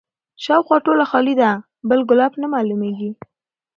شاوخوا ټوله خالي ده بل ګلاب نه معلومیږي